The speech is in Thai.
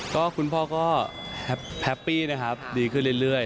ก็คุณพ่อก็แฮปปี้นะครับดีขึ้นเรื่อย